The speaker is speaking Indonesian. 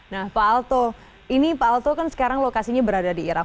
nah pak alto ini pak alto kan sekarang lokasinya berada di irak